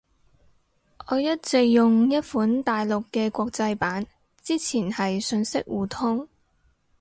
我一直用一款大陸嘅國際版。之前係信息互通